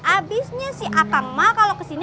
abisnya si atang mah kalau kesini